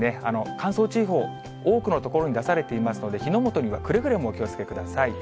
乾燥注意報、多くの所に出されていますので、火の元にはくれぐれもお気をつけください。